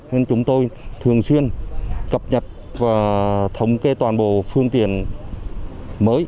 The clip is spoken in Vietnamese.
nên chúng tôi thường xuyên cập nhật và thống kê toàn bộ phương tiện mới